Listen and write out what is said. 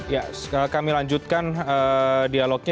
ya kami lanjutkan dialognya